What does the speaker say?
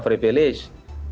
tiba tiba misalnya punya penduduk